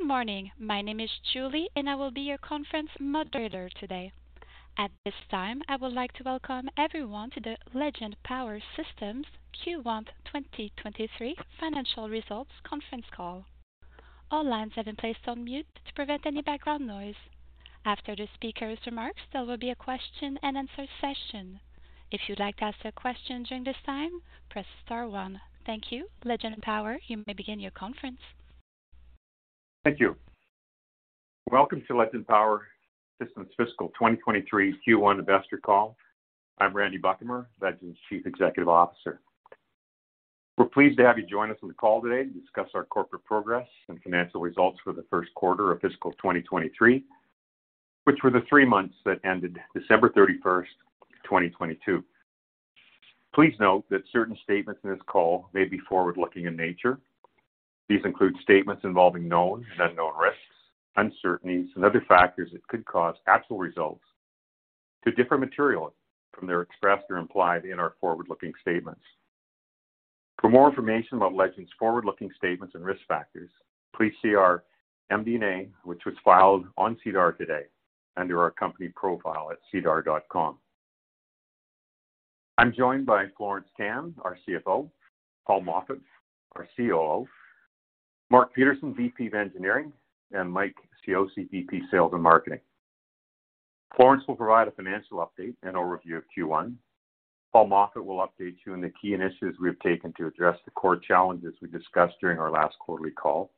Good morning. My name is Julie. I will be your conference moderator today. At this time, I would like to welcome everyone to the Legend Power Systems Q1 2023 financial results conference call. All lines have been placed on mute to prevent any background noise. After the speaker's remarks, there will be a question-and-answer session. If you'd like to ask a question during this time, press star one. Thank you. Legend Power, you may begin your conference. Thank you. Welcome to Legend Power Systems fiscal 2023 Q1 investor call. I'm Randy Buchamer, Legend's Chief Executive Officer. We're pleased to have you join us on the call today to discuss our corporate progress and financial results for the first quarter of fiscal 2023, which were the three months that ended December 31, 2022. Please note that certain statements in this call may be forward-looking in nature. These include statements involving known and unknown risks, uncertainties, and other factors that could cause actual results to differ materially from their expressed or implied in our forward-looking statements. For more information about Legend's forward-looking statements and risk factors, please see our MD&A which was filed on SEDAR today under our company profile at sedar.com. I'm joined by Florence Tan, our CFO, Paul Moffat, our COO, Mark Petersen, VP of Engineering, and Mike Cioce, VP, Sales and Marketing. Florence will provide a financial update and overview of Q1. Paul Moffat will update you on the key initiatives we have taken to address the core challenges we discussed during our last quarterly call.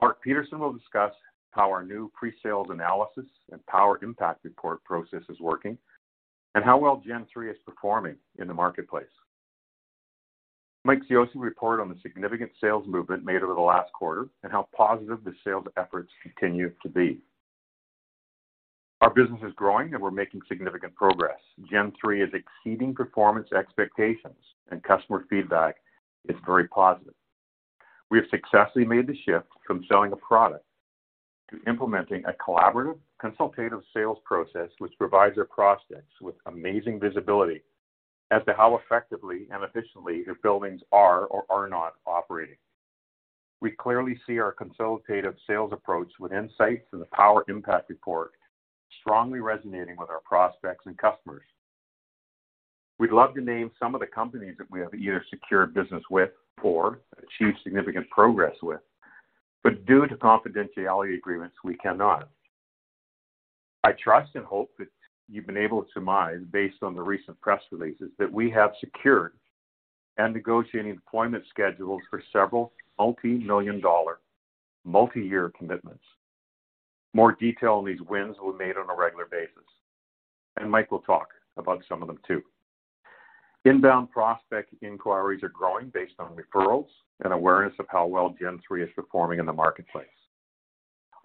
Mark Petersen will discuss how our new pre-sales analysis and Power Impact Report process is working and how well Gen3 is performing in the marketplace. Mike Cioce will report on the significant sales movement made over the last quarter and how positive the sales efforts continue to be. Our business is growing, and we're making significant progress. Gen3 is exceeding performance expectations and customer feedback is very positive. We have successfully made the shift from selling a product to implementing a collaborative consultative sales process which provides our prospects with amazing visibility as to how effectively and efficiently their buildings are or are not operating. We clearly see our consultative sales approach with insights into Power Impact Report strongly resonating with our prospects and customers. We'd love to name some of the companies that we have either secured business with or achieved significant progress with, but due to confidentiality agreements, we cannot. I trust and hope that you've been able to surmise, based on the recent press releases, that we have secured and negotiating deployment schedules for several multi-million dollar, multi-year commitments. More detail on these wins will be made on a regular basis, and Mike will talk about some of them too. Inbound prospect inquiries are growing based on referrals and awareness of how well Gen3 is performing in the marketplace.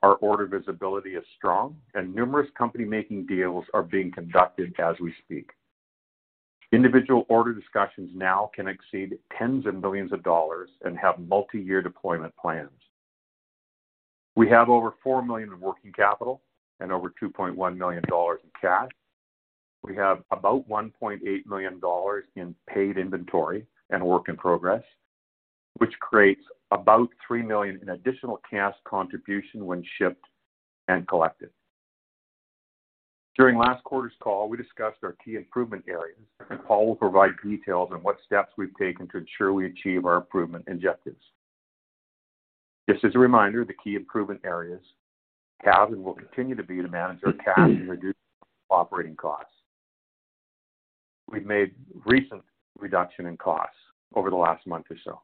Our order visibility is strong, and numerous company making deals are being conducted as we speak. Individual order discussions now can exceed tens of millions of dollars and have multi-year deployment plans. We have over 4 million in working capital and over 2.1 million dollars in cash. We have about 1.8 million dollars in paid inventory and work in progress, which creates about 3 million in additional cash contribution when shipped and collected. During last quarter's call, we discussed our key improvement areas. Paul will provide details on what steps we've taken to ensure we achieve our improvement objectives. Just as a reminder, the key improvement areas have and will continue to be to manage our cash and reduce operating costs. We've made recent reduction in costs over the last month or so.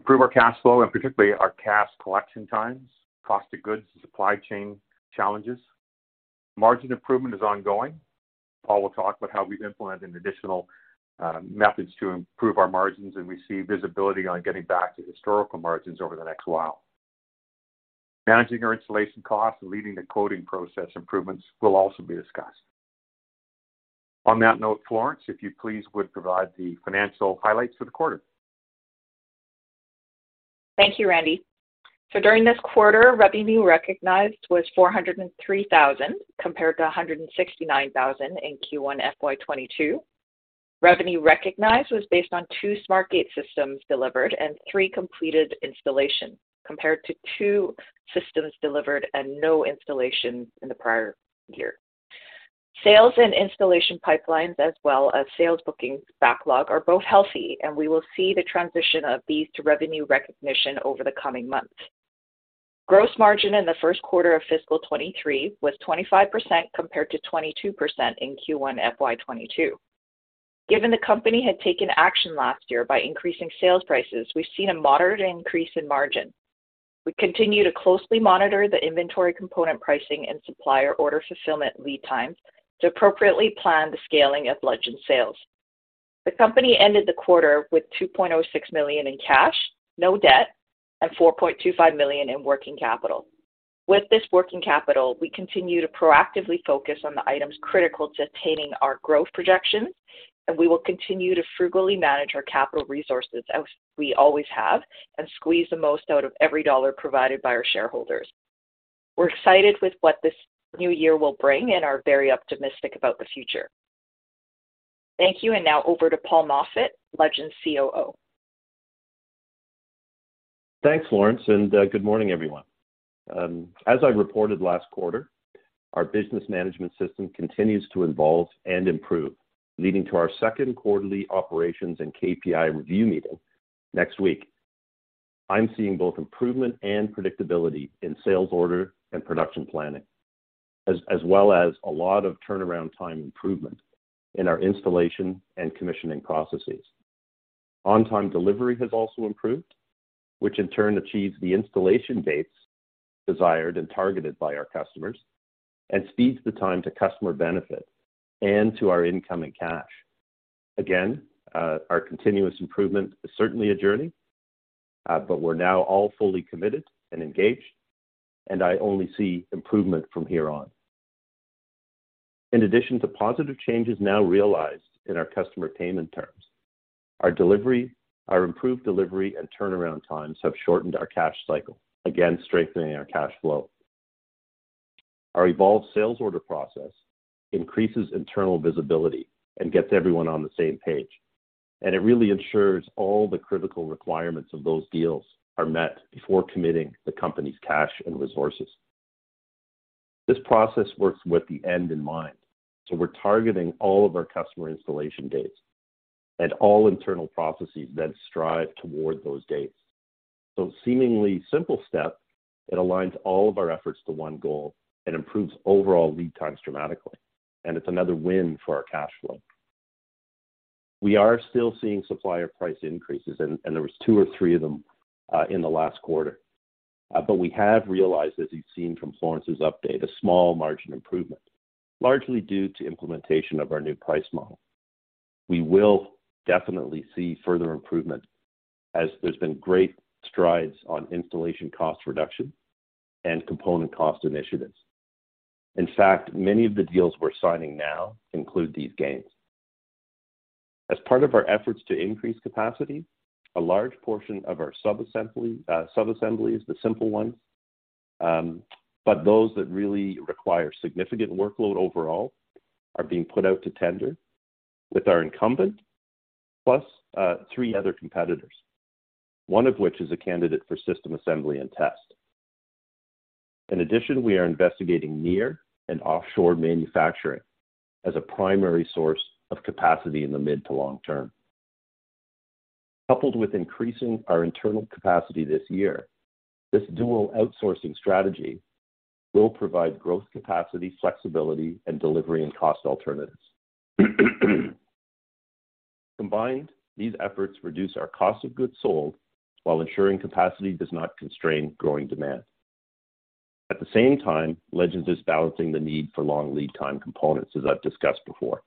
Improve our cash flow and particularly our cash collection times, cost of goods, supply chain challenges. Margin improvement is ongoing. Paul will talk about how we've implemented additional methods to improve our margins, and we see visibility on getting back to historical margins over the next while. Managing our installation costs and leading the quoting process improvements will also be discussed. On that note, Florence, if you please would provide the financial highlights for the quarter. Thank you, Randy. During this quarter, revenue recognized was 403,000, compared to 169,000 in Q1 FY 2022. Revenue recognized was based on two SmartGATE systems delivered and three completed installations, compared to two systems delivered and no installations in the prior year. Sales and installation pipelines as well as sales bookings backlog are both healthy, and we will see the transition of these to revenue recognition over the coming months. Gross margin in the first quarter of fiscal 2023 was 25%, compared to 22% in Q1 FY 2022. Given the company had taken action last year by increasing sales prices, we've seen a moderate increase in margin. We continue to closely monitor the inventory component pricing and supplier order fulfillment lead times to appropriately plan the scaling of Legend sales. The company ended the quarter with 2.06 million in cash, no debt, and 4.25 million in working capital. With this working capital, we continue to proactively focus on the items critical to attaining our growth projections, and we will continue to frugally manage our capital resources as we always have and squeeze the most out of every dollar provided by our shareholders. We're excited with what this new year will bring and are very optimistic about the future. Thank you. Now over to Paul Moffat, Legend COO. Thanks, Florence. Good morning, everyone. As I reported last quarter, our business management system continues to evolve and improve, leading to our second quarterly operations and KPI review meeting next week. I'm seeing both improvement and predictability in sales order and production planning, as well as a lot of turnaround time improvement in our installation and commissioning processes. On-time delivery has also improved, which in turn achieves the installation dates desired and targeted by our customers and speeds the time to customer benefit and to our incoming cash. Again, our continuous improvement is certainly a journey. We're now all fully committed and engaged. I only see improvement from here on. In addition to positive changes now realized in our customer payment terms, our improved delivery and turnaround times have shortened our cash cycle, again strengthening our cash flow. Our evolved sales order process increases internal visibility and gets everyone on the same page, it really ensures all the critical requirements of those deals are met before committing the company's cash and resources. This process works with the end in mind, we're targeting all of our customer installation dates and all internal processes strive toward those dates. Seemingly simple step, it aligns all of our efforts to one goal and improves overall lead times dramatically, it's another win for our cash flow. We are still seeing supplier price increases and there was 2 or 3 of them in the last quarter. We have realized, as you've seen from Florence's update, a small margin improvement, largely due to implementation of our new price model. We will definitely see further improvement as there's been great strides on installation cost reduction and component cost initiatives. In fact, many of the deals we're signing now include these gains. As part of our efforts to increase capacity, a large portion of our sub-assemblies, the simple ones, but those that really require significant workload overall are being put out to tender with our incumbent plus 3 other competitors, one of which is a candidate for system assembly and test. In addition, we are investigating near and offshore manufacturing as a primary source of capacity in the mid to long term. Coupled with increasing our internal capacity this year, this dual outsourcing strategy will provide growth capacity, flexibility, and delivery and cost alternatives. Combined, these efforts reduce our cost of goods sold while ensuring capacity does not constrain growing demand. At the same time, Legend is balancing the need for long lead time components, as I've discussed before.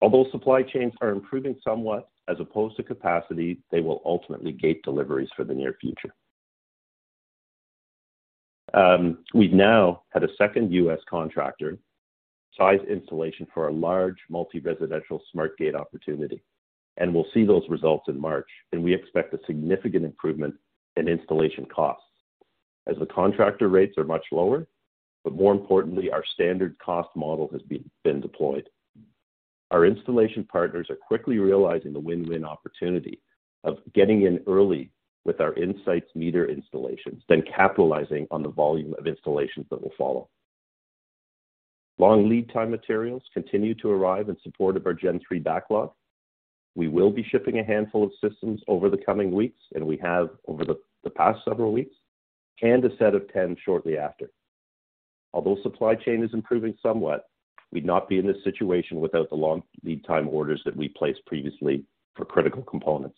Although supply chains are improving somewhat, as opposed to capacity, they will ultimately gate deliveries for the near future. We've now had a 2nd U.S. contractor size installation for a large multi-residential SmartGATE opportunity, and we'll see those results in March, and we expect a significant improvement in installation costs as the contractor rates are much lower. More importantly, our standard cost model has been deployed. Our installation partners are quickly realizing the win-win opportunity of getting in early with our SmartGATE Insights installations, then capitalizing on the volume of installations that will follow. Long lead time materials continue to arrive in support of our Gen3 backlog. We will be shipping a handful of systems over the coming weeks, and we have over the past several weeks, and a set of 10 shortly after. Although supply chain is improving somewhat, we'd not be in this situation without the long lead time orders that we placed previously for critical components.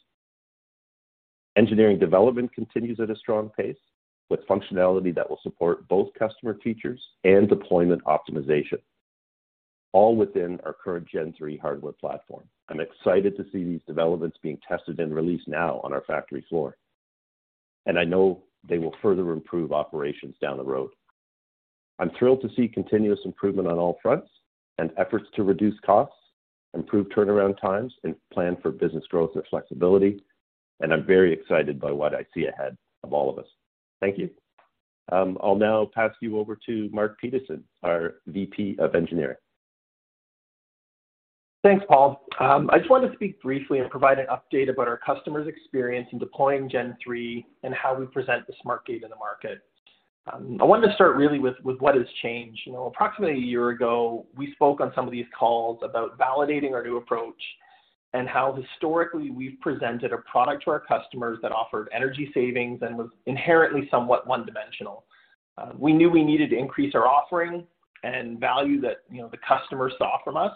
Engineering development continues at a strong pace, with functionality that will support both customer features and deployment optimization, all within our current Gen3 hardware platform. I'm excited to see these developments being tested and released now on our factory floor, and I know they will further improve operations down the road. I'm thrilled to see continuous improvement on all fronts and efforts to reduce costs, improve turnaround times, and plan for business growth and flexibility. I'm very excited by what I see ahead of all of us. Thank you. I'll now pass you over to Mark Petersen, our VP of Engineering. Thanks, Paul. I just wanted to speak briefly and provide an update about our customers' experience in deploying Gen3 and how we present the SmartGATE in the market. I wanted to start really with what has changed. You know, approximately a year ago, we spoke on some of these calls about validating our new approach and how historically we've presented a product to our customers that offered energy savings and was inherently somewhat one-dimensional. We knew we needed to increase our offering and value that, you know, the customer saw from us.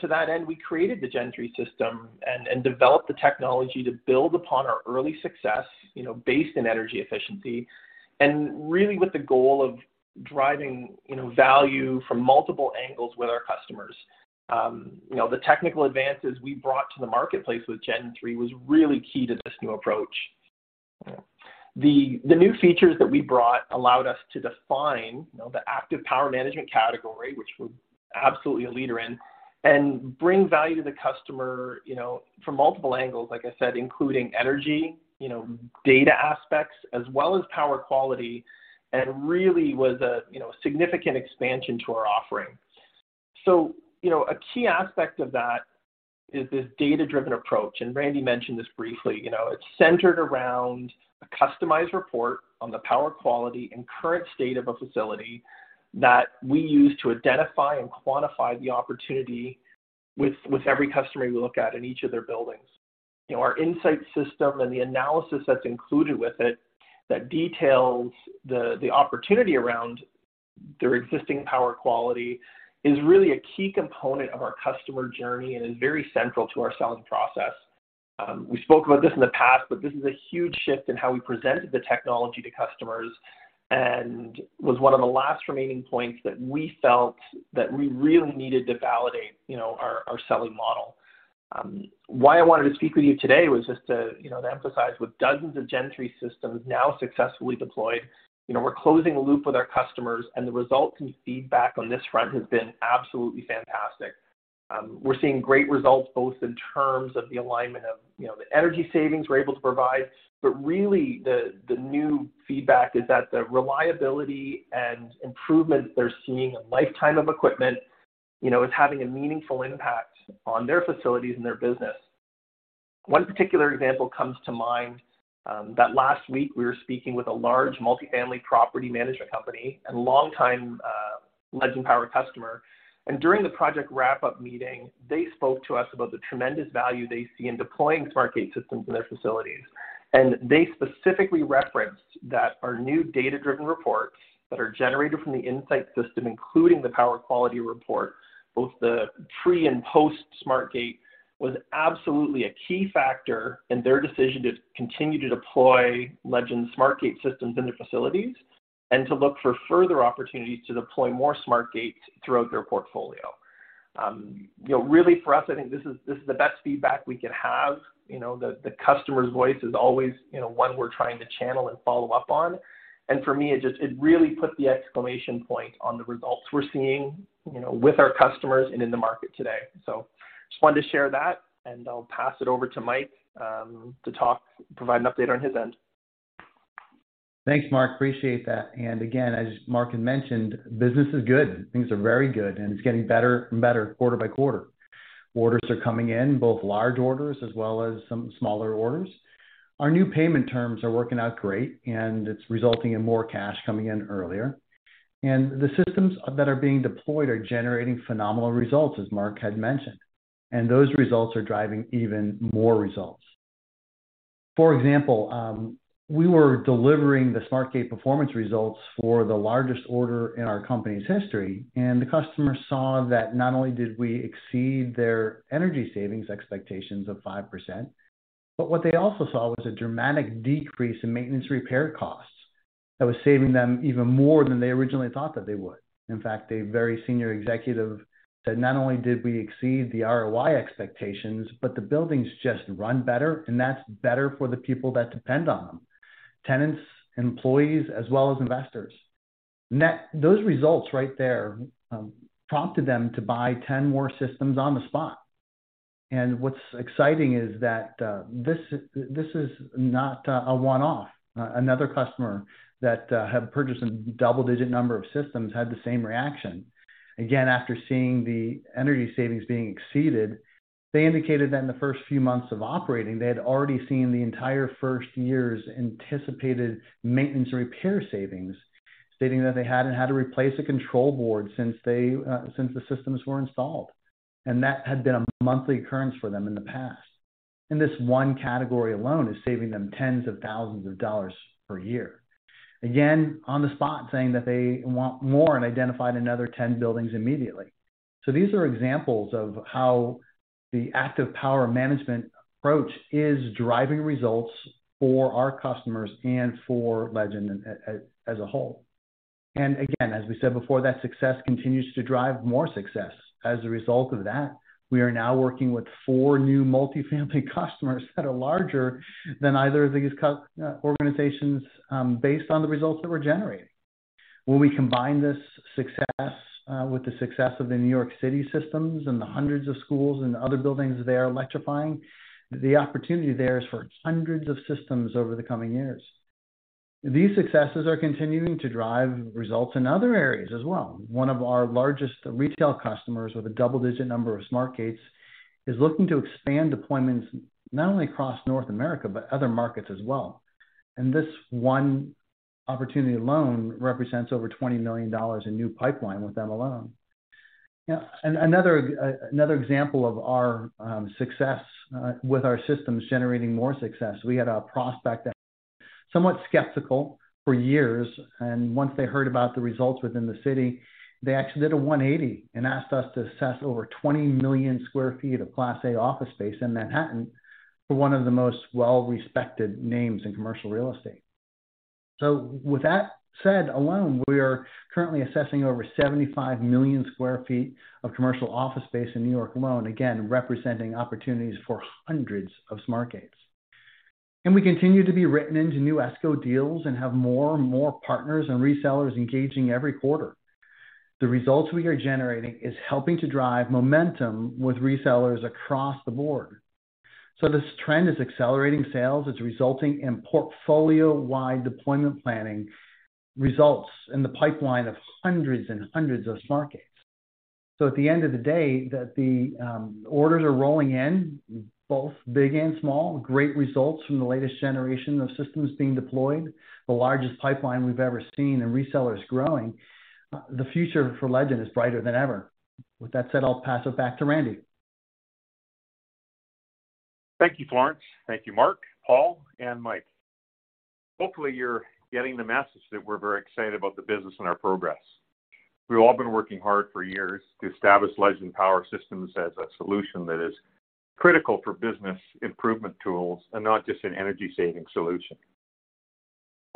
To that end, we created the Gen3 system and developed the technology to build upon our early success, you know, based in energy efficiency and really with the goal of driving, you know, value from multiple angles with our customers. You know, the technical advances we brought to the marketplace with Gen3 was really key to this new approach. The new features that we brought allowed us to define, you know, the Active Power Management category, which we're absolutely a leader in. And bring value to the customer, you know, from multiple angles, like I said, including energy, you know, data aspects as well as power quality, and really was a significant expansion to our offering. A key aspect of that is this data-driven approach, and Randy mentioned this briefly. It's centered around a customized report on the power quality and current state of a facility that we use to identify and quantify the opportunity with every customer we look at in each of their buildings. You know, our insight system and the analysis that's included with it that details the opportunity around their existing power quality is really a key component of our customer journey and is very central to our selling process. We spoke about this in the past, this is a huge shift in how we presented the technology to customers and was one of the last remaining points that we felt that we really needed to validate, you know, our selling model. Why I wanted to speak with you today was just to, you know, to emphasize with dozens of Gen3 systems now successfully deployed, you know, we're closing the loop with our customers, the results and feedback on this front has been absolutely fantastic. We're seeing great results both in terms of the alignment of, you know, the energy savings we're able to provide. Really the new feedback is that the reliability and improvement they're seeing a lifetime of equipment, you know, is having a meaningful impact on their facilities and their business. One particular example comes to mind, that last week we were speaking with a large multifamily property management company and longtime Legend Power customer. During the project wrap-up meeting, they spoke to us about the tremendous value they see in deploying SmartGATE systems in their facilities. They specifically referenced that our new data-driven reports that are generated from the SmartGATE Insights system, including the power quality report, both the pre and post SmartGATE, was absolutely a key factor in their decision to continue to deploy Legend SmartGATE systems in their facilities and to look for further opportunities to deploy more SmartGATEs throughout their portfolio. You know, really for us, I think this is, this is the best feedback we could have. You know, the customer's voice is always, you know, one we're trying to channel and follow up on. For me, it really put the exclamation point on the results we're seeing, you know, with our customers and in the market today. Just wanted to share that, and I'll pass it over to Mike, to talk, provide an update on his end. Thanks, Mark. Appreciate that. Again, as Mark had mentioned, business is good. Things are very good, and it's getting better and better quarter by quarter. Orders are coming in, both large orders as well as some smaller orders. Our new payment terms are working out great, and it's resulting in more cash coming in earlier. The systems that are being deployed are generating phenomenal results, as Mark had mentioned, and those results are driving even more results. For example, we were delivering the SmartGATE performance results for the largest order in our company's history, and the customer saw that not only did we exceed their energy savings expectations of 5%, but what they also saw was a dramatic decrease in maintenance repair costs that was saving them even more than they originally thought that they would. In fact, a very senior executive said not only did we exceed the ROI expectations, but the buildings just run better, and that's better for the people that depend on them, tenants, employees, as well as investors. Those results right there prompted them to buy 10 more systems on the spot. What's exciting is that this is not a one-off. Another customer that had purchased a double-digit number of systems had the same reaction. Again, after seeing the energy savings being exceeded, they indicated that in the first few months of operating, they had already seen the entire first year's anticipated maintenance and repair savings, stating that they hadn't had to replace a control board since the systems were installed. That had been a monthly occurrence for them in the past. This one category alone is saving them tens of thousands of dollars per year. Again, on the spot, saying that they want more and identified another 10 buildings immediately. These are examples of how the Active Power Management approach is driving results for our customers and for Legend as a whole. Again, as we said before, that success continues to drive more success. As a result of that, we are now working with four new multifamily customers that are larger than either of these organizations, based on the results that we're generating. When we combine this success with the success of the New York City systems and the hundreds of schools and other buildings they are electrifying, the opportunity there is for hundreds of systems over the coming years. These successes are continuing to drive results in other areas as well. One of our largest retail customers with a double-digit number of SmartGATEs is looking to expand deployments not only across North America, but other markets as well. This one opportunity alone represents over $20 million in new pipeline with them alone. Now, another example of our success with our systems generating more success, we had a prospect that somewhat skeptical for years, and once they heard about the results within the city, they actually did a 180 and asked us to assess over 20,000,00 sq ft of Class A office space in Manhattan for one of the most well-respected names in commercial real estate. With that said alone, we are currently assessing over 75,000,000 sq ft of commercial office space in N.Y. alone, again, representing opportunities for hundreds of SmartGATEs. We continue to be written into new ESCO deals and have more and more partners and resellers engaging every quarter. The results we are generating is helping to drive momentum with resellers across the board. This trend is accelerating sales. It's resulting in portfolio-wide deployment planning results in the pipeline of hundreds and hundreds of SmartGATEs. At the end of the day that the orders are rolling in, both big and small, great results from the latest generation of systems being deployed, the largest pipeline we've ever seen, and resellers growing, the future for Legend is brighter than ever. With that said, I'll pass it back to Randy. Thank you, Florence. Thank you, Mark, Paul, and Mike. Hopefully, you're getting the message that we're very excited about the business and our progress. We've all been working hard for years to establish Legend Power Systems as a solution that is critical for business improvement tools and not just an energy-saving solution.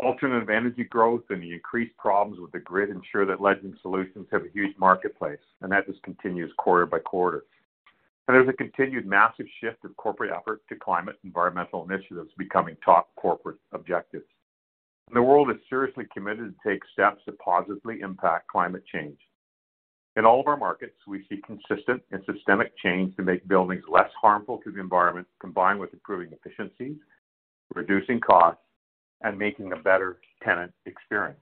Alternative energy growth and the increased problems with the grid ensure that Legend solutions have a huge marketplace. That just continues quarter by quarter. There's a continued massive shift of corporate effort to climate and environmental initiatives becoming top corporate objectives. The world is seriously committed to take steps to positively impact climate change. In all of our markets, we see consistent and systemic change to make buildings less harmful to the environment, combined with improving efficiencies, reducing costs, and making a better tenant experience.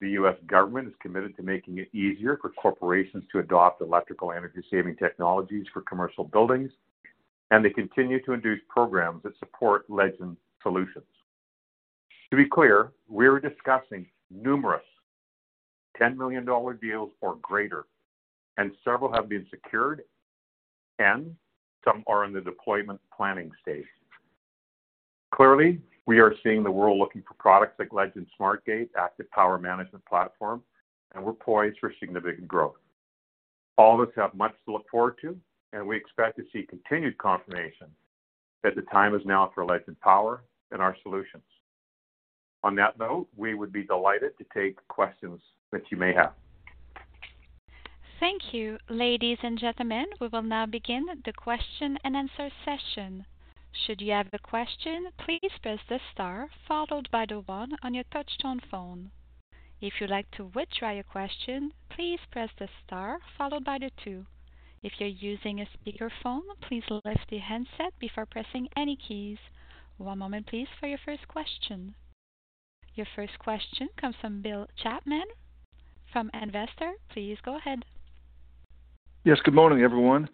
The U.S. government is committed to making it easier for corporations to adopt electrical energy-saving technologies for commercial buildings, and they continue to induce programs that support Legend solutions. To be clear, we are discussing numerous $10 million deals or greater, and several have been secured, and some are in the deployment planning stage. Clearly, we are seeing the world looking for products like Legend SmartGATE Active Power Management Platform, and we're poised for significant growth. All of us have much to look forward to, and we expect to see continued confirmation that the time is now for Legend Power and our solutions. On that note, we would be delighted to take questions that you may have. Thank you. Ladies and gentlemen, we will now begin the question-and-answer session. Should you have a question, please press the star followed by the one on your touch-tone phone. If you'd like to withdraw your question, please press the star followed by the two. If you're using a speakerphone, please lift the handset before pressing any keys. One moment please for your first question. Your first question comes from Bill Chapman from Investor. Please go ahead. Good morning, everyone.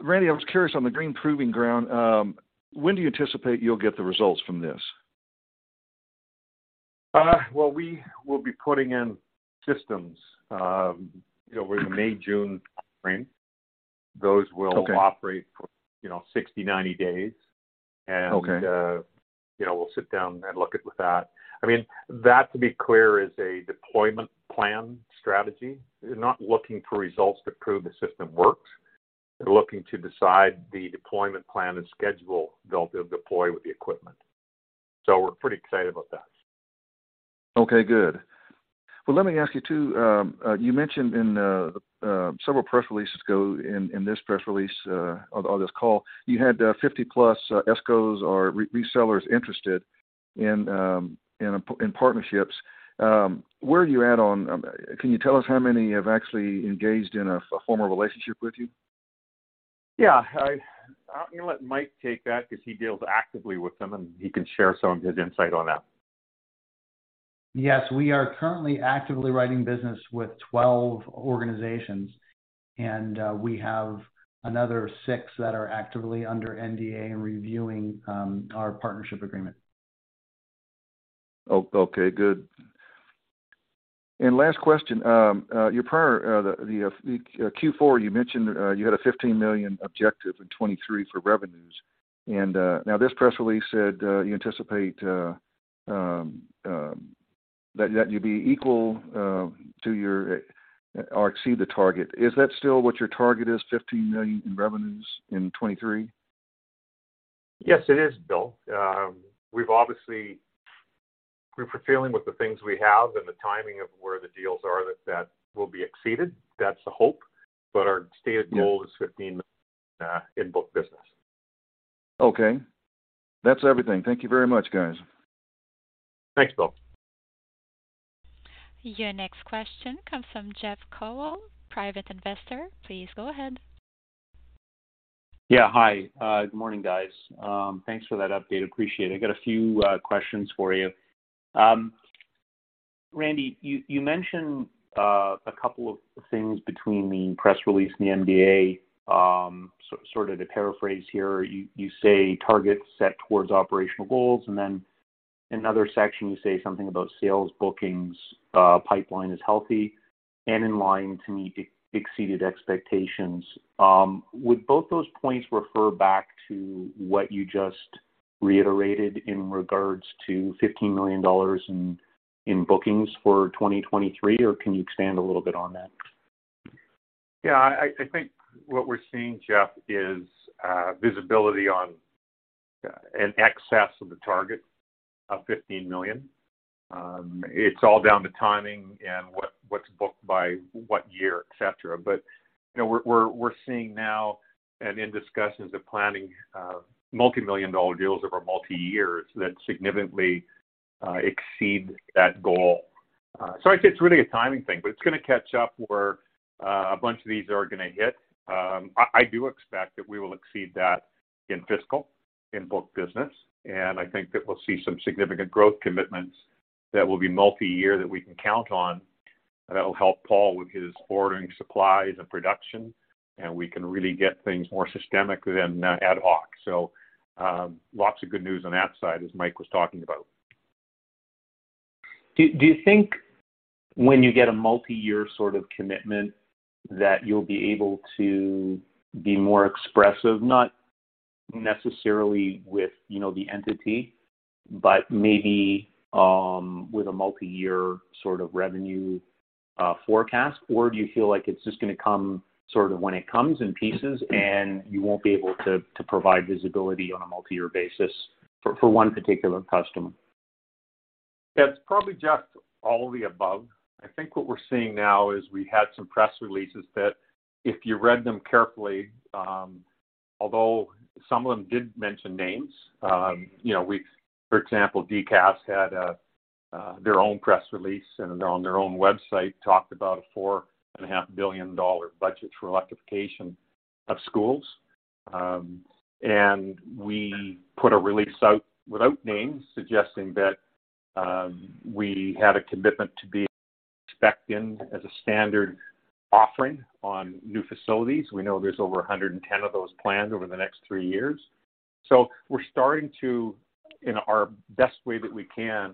Randy, I was curious on the Green Proving Ground, when do you anticipate you'll get the results from this? Well, we will be putting in systems, you know, over the May, June frame. Okay. Those will operate for, you know, 60, 90 days. Okay. You know, we'll sit down and look at that. I mean, that, to be clear, is a deployment plan strategy. They're not looking for results to prove the system works. They're looking to decide the deployment plan and schedule they'll deploy with the equipment. We're pretty excited about that. Okay, good. Well, let me ask you too. You mentioned in several press releases ago, in this press release, on this call, you had 50+ ESCOs or resellers interested in partnerships. Can you tell us how many have actually engaged in a formal relationship with you? Yeah. I'm gonna let Mike take that 'cause he deals actively with them, and he can share some of his insight on that. Yes. We are currently actively writing business with 12 organizations, and we have another six that are actively under NDA and reviewing our partnership agreement. Oh, okay, good. Last question. Your prior Q4, you mentioned you had a 15 million objective in 2023 for revenues. Now this press release said you anticipate that you'd be equal to your or exceed the target. Is that still what your target is, 15 million in revenues in 2023? Yes, it is, Bill. We're fulfilling with the things we have and the timing of where the deals are that will be exceeded. That's the hope. Our stated- Yeah. Goal is 15 million in book business. Okay. That's everything. Thank you very much, guys. Thanks, Bill. Your next question comes from Jeff Kowal, private investor. Please go ahead. Yeah, hi. Good morning, guys. Thanks for that update. Appreciate it. I got a few questions for you. Randy, you mentioned a couple of things between the press release and the NDA. So sort of to paraphrase here, you say targets set towards operational goals. Then another section, you say something about sales bookings, pipeline is healthy and in line to exceeded expectations. Would both those points refer back to what you just reiterated in regards to 15 million dollars in bookings for 2023, or can you expand a little bit on that? Yeah. I think what we're seeing, Jeff, is visibility on in excess of the target of 15 million. It's all down to timing and what's booked by what year, et cetera. You know, we're, we're seeing now and in discussions of planning, multimillion dollar deals over multi-years that significantly exceed that goal. I'd say it's really a timing thing, but it's gonna catch up where a bunch of these are gonna hit. I do expect that we will exceed that in fiscal, in book business, and I think that we'll see some significant growth commitments that will be multi-year that we can count on that will help Paul with his ordering supplies and production. We can really get things more systemically than ad hoc. Lots of good news on that side, as Mike was talking about. Do you think when you get a multi-year sort of commitment that you'll be able to be more expressive, not necessarily with, you know, the entity, but maybe with a multi-year sort of revenue forecast? Or do you feel like it's just gonna come sort of when it comes in pieces, and you won't be able to provide visibility on a multi-year basis for one particular customer? It's probably just all of the above. I think what we're seeing now is we had some press releases that if you read them carefully, although some of them did mention names, you know, for example, DCAS had their own press release and on their own website talked about a four and a half billion dollar budget for electrification of schools. We put a release out without names suggesting that we had a commitment to be spec'd in as a standard offering on new facilities. We know there's over 110 of those planned over the next three years. We're starting to, in our best way that we can,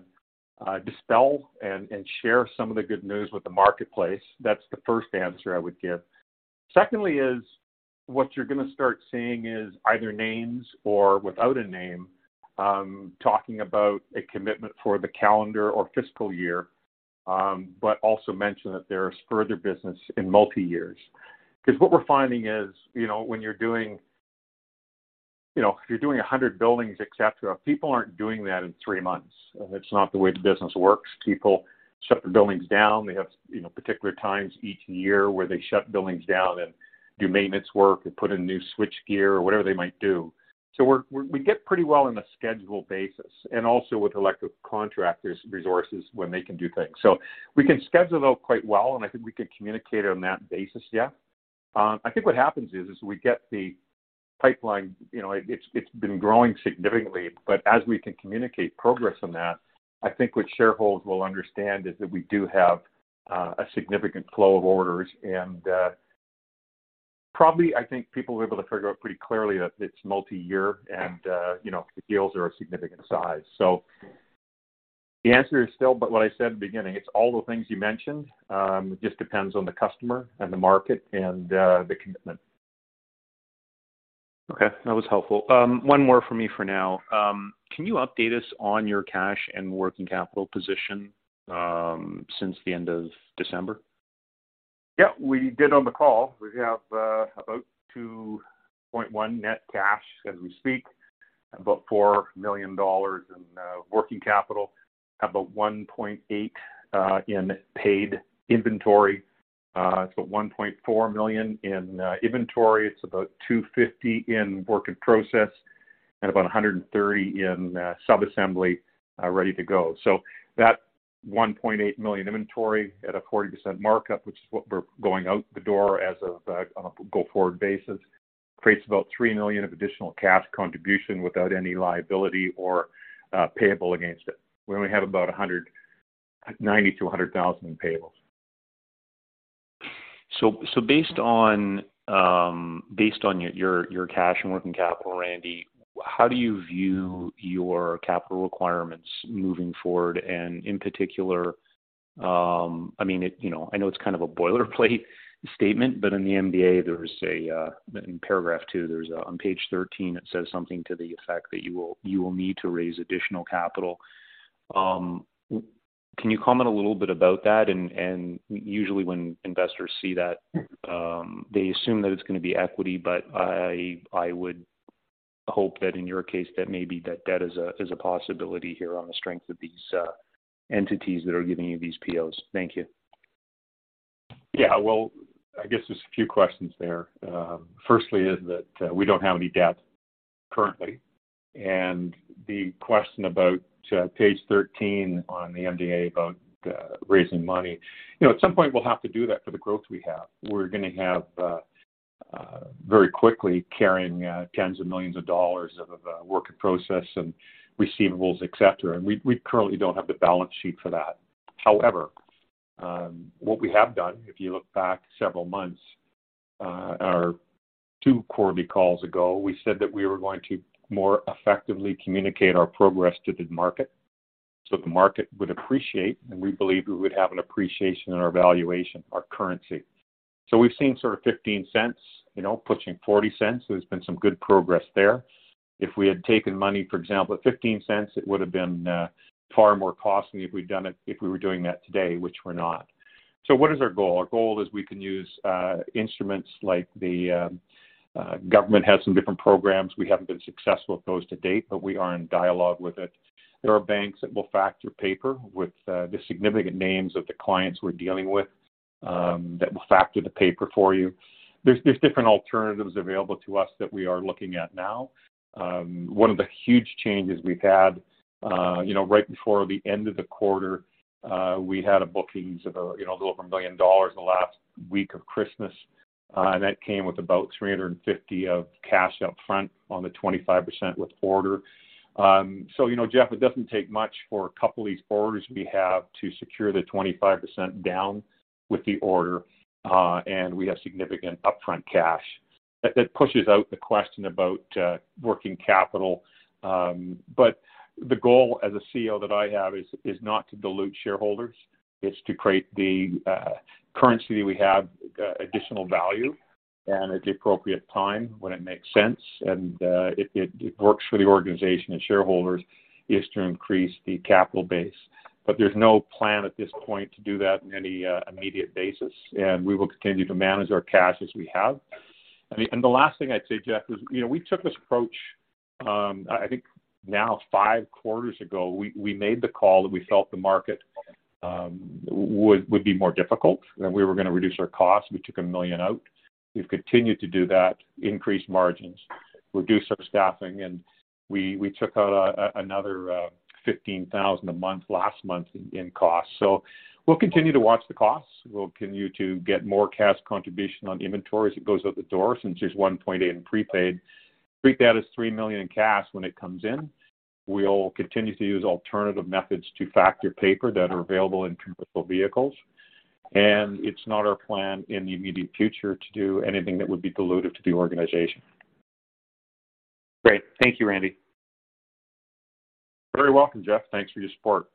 dispel and share some of the good news with the marketplace. That's the first answer I would give. Secondly is, what you're gonna start seeing is either names or without a name, talking about a commitment for the calendar or fiscal year, but also mention that there is further business in multi-years. What we're finding is, you know, when you're doing... You know, if you're doing 100 buildings, et cetera, people aren't doing that in 3 months. It's not the way the business works. People shut the buildings down. They have, you know, particular times each year where they shut buildings down and do maintenance work and put in new switchgear or whatever they might do. We get pretty well on a scheduled basis and also with electric contractors' resources when they can do things. We can schedule out quite well, and I think we can communicate on that basis, yeah. I think what happens is we get the pipeline. You know, it's been growing significantly. As we can communicate progress on that, I think what shareholders will understand is that we do have a significant flow of orders and probably I think people will be able to figure out pretty clearly that it's multi-year and, you know, the deals are a significant size. The answer is still but what I said at the beginning. It's all the things you mentioned. It just depends on the customer and the market and the commitment. Okay. That was helpful. One more from me for now. Can you update us on your cash and working capital position since the end of December? Yeah. We did on the call. We have about 2.1 net cash as we speak, about 4 million dollars in working capital, about 1.8 in paid inventory. It's about 1.4 million in inventory. It's about 250,000 in work in process and about 130,000 in sub-assembly ready to go. That 1.8 million inventory at a 40% markup, which is what we're going out the door as of on a go-forward basis, creates about 3 million of additional cash contribution without any liability or payable against it. We only have about 90,000-100,000 in payables. Based on your cash and working capital, Randy, how do you view your capital requirements moving forward? In particular, I mean you know, I know it's kind of a boilerplate statement, but in the MD&A, there's a in paragraph two, on page 13, it says something to the effect that you will need to raise additional capital. Can you comment a little bit about that? Usually when investors see that, they assume that it's gonna be equity, but I would hope that in your case that maybe that debt is a possibility here on the strength of these entities that are giving you these POs. Thank you. Well, I guess there's a few questions there. Firstly is that we don't have any debt currently. The question about page 13 on the MD&A about raising money. You know, at some point we'll have to do that for the growth we have. We're gonna have very quickly carrying tens of millions of CAD of work in process and receivables, et cetera. We currently don't have the balance sheet for that. However, what we have done, if you look back several months, or two quarterly calls ago, we said that we were going to more effectively communicate our progress to the market, so the market would appreciate, and we believe we would have an appreciation in our valuation, our currency. We've seen sort of 0.15, you know, pushing 0.40. There's been some good progress there. If we had taken money, for example, at $0.15, it would've been far more costly if we'd done it, if we were doing that today, which we're not. What is our goal? Our goal is we can use instruments like the government has some different programs. We haven't been successful with those to date, but we are in dialogue with it. There are banks that will factor paper with the significant names of the clients we're dealing with, that will factor the paper for you. There's different alternatives available to us that we are looking at now. One of the huge changes we've had, you know, right before the end of the quarter, we had bookings of a, you know, a little over $1 million in the last week of Christmas. That came with about 350 of cash up front on the 25% with order. You know, Jeff, it doesn't take much for a couple of these orders we have to secure the 25% down with the order, and we have significant upfront cash. That pushes out the question about working capital. The goal as a CEO that I have is not to dilute shareholders. It's to create the currency we have, additional value and at the appropriate time when it makes sense and, it works for the organization and shareholders is to increase the capital base. There's no plan at this point to do that in any immediate basis. We will continue to manage our cash as we have. I mean, and the last thing I'd say, Jeff, is, you know, we took this approach, I think now five quarters ago. We made the call that we felt the market would be more difficult, and we were gonna reduce our costs. We took 1 million out. We've continued to do that, increase margins, reduce our staffing, and we took out another 15,000 a month last month in costs. We'll continue to watch the costs. We'll continue to get more cash contribution on the inventory as it goes out the door, since there's 1.8 million in prepaid. Treat that as 3 million in cash when it comes in. We'll continue to use alternative methods to factor paper that are available in commercial vehicles. It's not our plan in the immediate future to do anything that would be dilutive to the organization. Great. Thank you, Randy. You're very welcome, Jeff. Thanks for your support.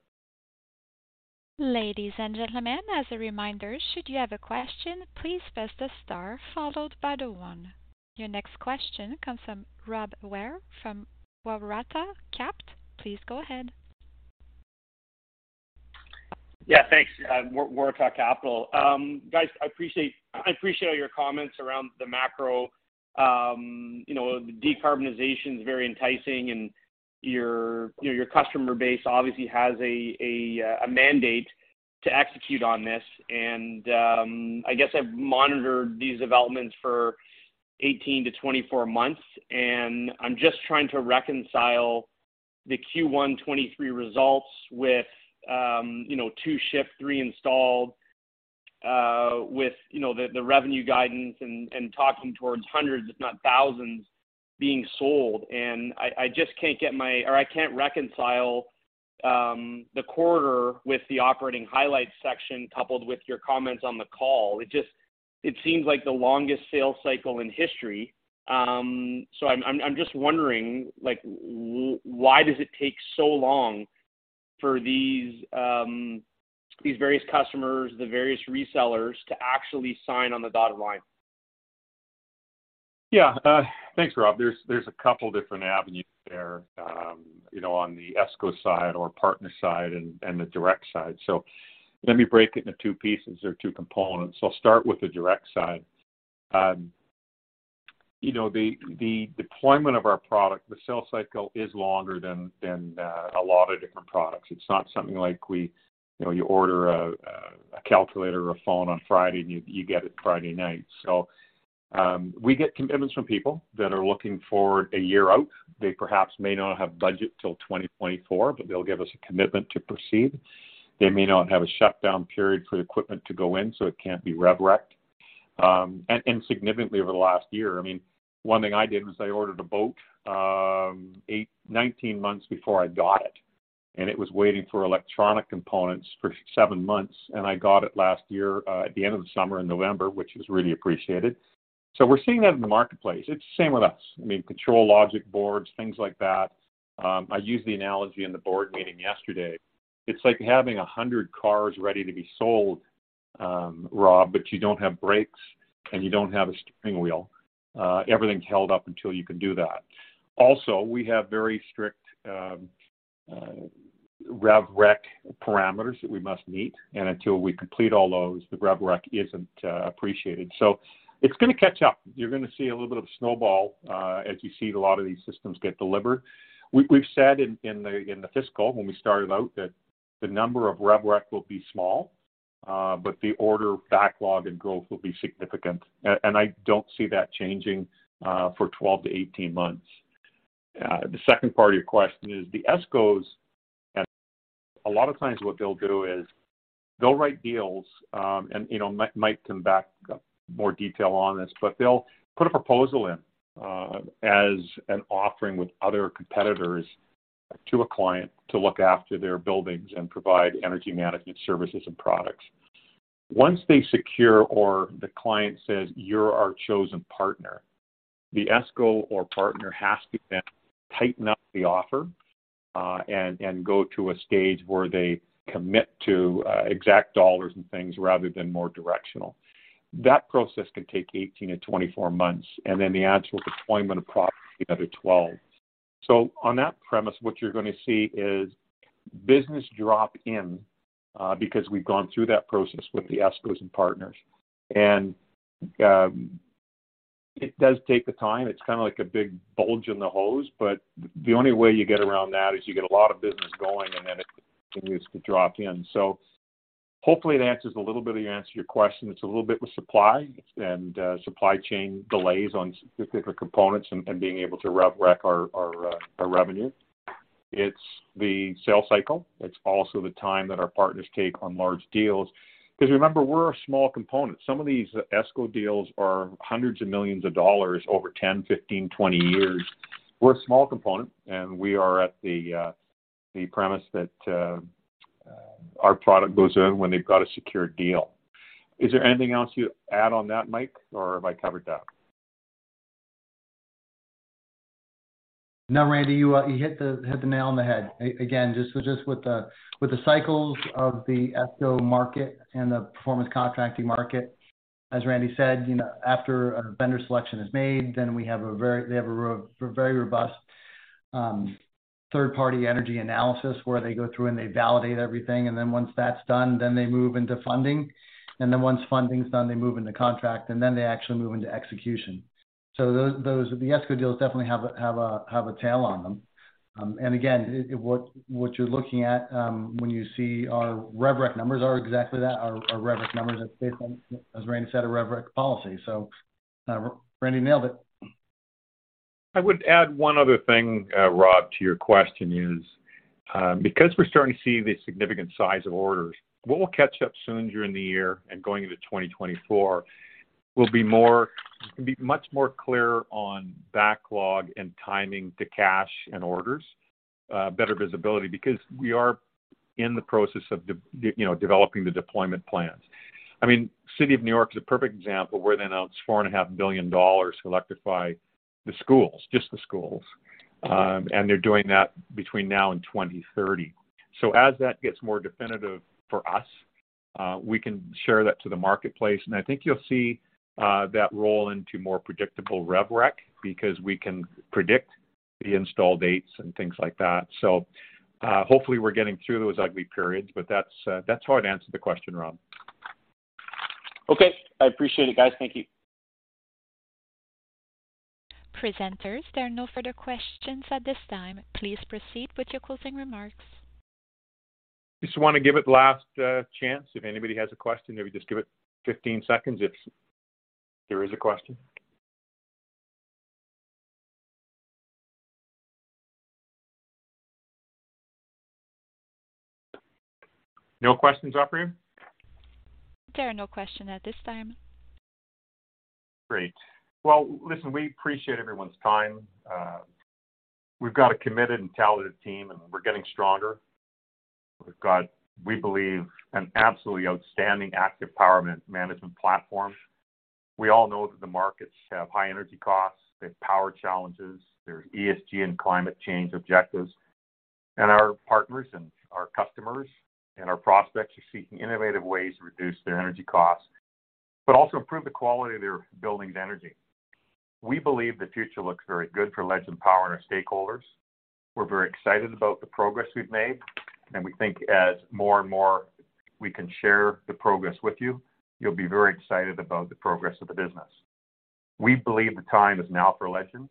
Ladies and gentlemen, as a reminder, should you have a question, please press the star followed by the one. Your next question comes from Rob Ware from Waratah Capital Advisors. Please go ahead. Yeah, thanks. Waratah Capital. Guys, I appreciate, I appreciate all your comments around the macro. you know, decarbonization is very enticing and your, you know, your customer base obviously has a, a mandate to execute on this. I guess I've monitored these developments for 18-24 months, and I'm just trying to reconcile the Q1 2023 results with, you know, two ships reinstalled, with, you know, the revenue guidance and talking towards hundreds if not thousands being sold. I just can't get my... or I can't reconcile, the quarter with the operating highlights section coupled with your comments on the call. It just, it seems like the longest sales cycle in history. I'm just wondering, like, why does it take so long for these various customers, the various resellers to actually sign on the dotted line? Yeah. Thanks, Rob. There's a couple different avenues there, you know, on the ESCO side or partner side and the direct side. Let me break it into two pieces or two components. I'll start with the direct side. you know, the deployment of our product, the sales cycle is longer than a lot of different products. It's not something like we, you know, you order a calculator or a phone on Friday and you get it Friday night. We get commitments from people that are looking for a year out. They perhaps may not have budget till 2024, but they'll give us a commitment to proceed. They may not have a shutdown period for the equipment to go in, so it can't be rev rec. And significantly over the last year... I mean, one thing I did was I ordered a boat, 19 months before I got it, and it was waiting for electronic components for seven months, and I got it last year at the end of the summer in November, which was really appreciated. We're seeing that in the marketplace. It's the same with us. I mean, control logic boards, things like that. I used the analogy in the board meeting yesterday. It's like having 100 cars ready to be sold, Rob, but you don't have brakes and you don't have a steering wheel. Everything's held up until you can do that. Also, we have very strict rev rec parameters that we must meet. Until we complete all those, the rev rec isn't appreciated. It's gonna catch up. You're gonna see a little bit of snowball, as you see a lot of these systems get delivered. We've said in the fiscal when we started out that the number of rev rec will be small, but the order backlog and growth will be significant. I don't see that changing for 12-18 months. The second part of your question is the ESCOs. A lot of times what they'll do is they'll write deals, and, you know, Mike can back up more detail on this, but they'll put a proposal in as an offering with other competitors to a client to look after their buildings and provide energy management services and products. Once they secure or the client says, "You're our chosen partner," the ESCO or partner has to then tighten up the offer and go to a stage where they commit to exact dollars and things rather than more directional. That process can take 18-24 months, and then the actual deployment of products, another 12. On that premise, what you're gonna see is business drop in because we've gone through that process with the ESCOs and partners. It does take the time. It's kinda like a big bulge in the hose, but the only way you get around that is you get a lot of business going, and then it continues to drop in. Hopefully that answers a little bit of your answer to your question. It's a little bit with supply and supply chain delays on specific components and being able to rev rec our revenue. It's the sales cycle. It's also the time that our partners take on large deals. 'Cause remember, we're a small component. Some of these ESCO deals are hundreds of millions of dollars over 10, 15, 20 years. We're a small component, we are at the premise that our product goes in when they've got a secure deal. Is there anything else you'd add on that, Mike, or have I covered that? No, Randy, you hit the nail on the head. Again, just with the cycles of the ESCO market and the performance contracting market, as Randy said, you know, after a vendor selection is made, then they have a very robust, third-party energy analysis where they go through and they validate everything. Once that's done, then they move into funding. Once funding's done, they move into contract, and then they actually move into execution. Those, the ESCO deals definitely have a tail on them. Again, what you're looking at, when you see our rev rec numbers are exactly that. Our rev rec numbers are based on, as Randy said, our rev rec policy. Randy nailed it. I would add one other thing, Rob, to your question is, because we're starting to see the significant size of orders, what we'll catch up sooner during the year and going into 2024 will be much more clear on backlog and timing to cash and orders, better visibility. Because we are in the process of you know, developing the deployment plans. I mean, City of New York is a perfect example where they announced four and a half billion dollars to electrify the schools, just the schools. And they're doing that between now and 2030. As that gets more definitive for us, we can share that to the marketplace. I think you'll see, that roll into more predictable rev rec because we can predict the install dates and things like that. Hopefully we're getting through those ugly periods, but that's how I'd answer the question, Rob. Okay. I appreciate it, guys. Thank you. Presenters, there are no further questions at this time. Please proceed with your closing remarks. Just wanna give it last chance. If anybody has a question, maybe just give it 15 seconds if there is a question. No questions, operator? There are no question at this time. Great. Well, listen, we appreciate everyone's time. We've got a committed and talented team, and we're getting stronger. We've got, we believe, an absolutely outstanding Active Power Management Platform. We all know that the markets have high energy costs, they have power challenges, there's ESG and climate change objectives. Our partners and our customers and our prospects are seeking innovative ways to reduce their energy costs, but also improve the quality of their building's energy. We believe the future looks very good for Legend Power and our stakeholders. We're very excited about the progress we've made, and we think as more and more we can share the progress with you'll be very excited about the progress of the business. We believe the time is now for Legend,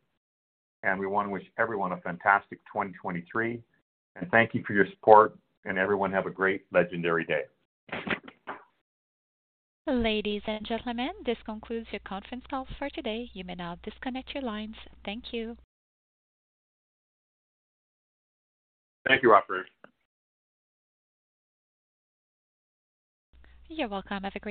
we wanna wish everyone a fantastic 2023. Thank you for your support, and everyone have a great legendary day. Ladies and gentlemen, this concludes your conference call for today. You may now disconnect your lines. Thank you. Thank you, operator. You're welcome. Have a good day.